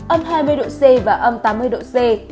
âm hai mươi độ c và âm tám mươi độ c